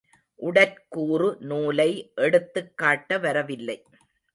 உடற்கூறு நூலை எடுத்துக் காட்ட வரவில்லை.